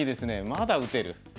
まだ打てる。